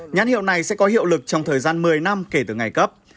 nhãn hiệu này sẽ có hiệu lực trong thời gian một mươi năm kể từ ngày cấp